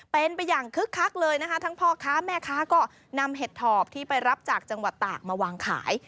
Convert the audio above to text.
เป็นไปอย่างคึกคักเลยนะคะทั้งพ่อค้าแม่ค้าก็นำเห็ดถอบที่ไปรับจากจังหวัดตากมาวางขาย